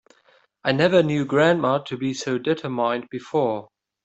I never knew grandma to be so determined before.